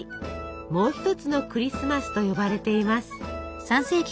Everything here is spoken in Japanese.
「もう一つのクリスマス」と呼ばれています。